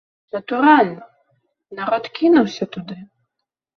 Натуральна, народ кінуўся туды.